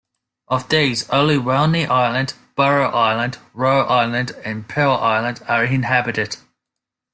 Of these, only Walney Island, Barrow Island, Roa Island and Piel Island are inhabited.